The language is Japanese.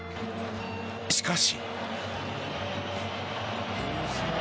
しかし。